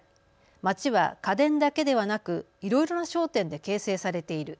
街は家電だけではなくいろいろな商店で形成されている。